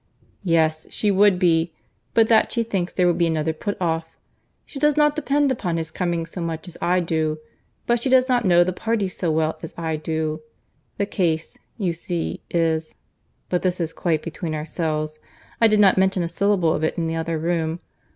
"Yes, she would be, but that she thinks there will be another put off. She does not depend upon his coming so much as I do: but she does not know the parties so well as I do. The case, you see, is—(but this is quite between ourselves: I did not mention a syllable of it in the other room.